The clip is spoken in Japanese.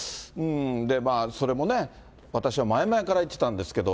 で、まあ、それもね、私は前々から言ってたんですけど。